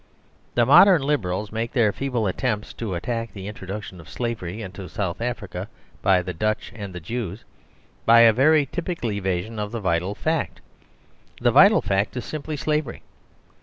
The modern Liberals make their feeble attempts to attack the introduction of slavery into South Africa by the Dutch and the Jews, by a very typical evasion of the vital fact. The vital fact is simply slavery.